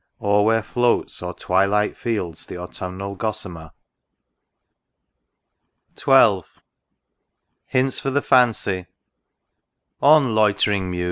or where floats O'er twilight fields the autumnal gossamer ? U THE RIVER DUDDON. XII. HINTS FOR THE FANCY. On, loitering Muse